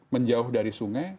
menjauh dari sungai